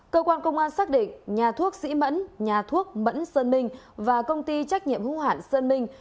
cơ quan công an xác định nhà thuốc sĩ mẫn nhà thuốc mẫn sơn minh và công ty trách nhiệm hữu hạn sơn minh